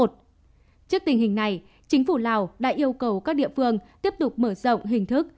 trước tình hình này chính phủ lào đã yêu cầu các địa phương tiếp tục mở rộng hình thức